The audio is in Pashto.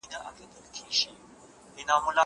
هغه وويل چي قلمان پاکول ضروري دي!؟